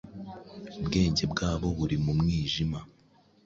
ubwenge bwabo buri mu mwijima,…